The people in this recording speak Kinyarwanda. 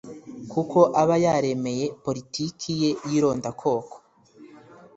kuko aba yaremeye politikiye y'irondakoko